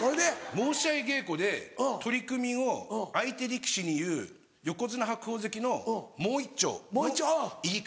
申し合い稽古で取組後相手力士に言う横綱白鵬関の「もう一丁」の言い方。